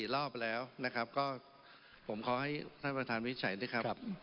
๓๔รอบไปแล้วก็ผมขอให้ส้เจ๊มินะครับ